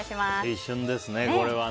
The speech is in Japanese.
青春ですね、これは。